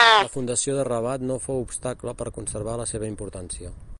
La fundació de Rabat no fou obstacle per conservar la seva importància.